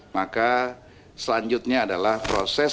maka selanjutnya adalah proses